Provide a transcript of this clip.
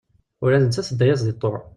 Ula d nettat tedda-yas deg ṭṭuɛ.